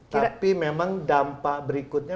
tapi memang dampak berikutnya